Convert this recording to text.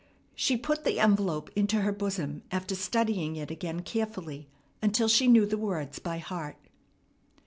She put the envelope into her bosom after studying it again carefully until she knew the words by heart.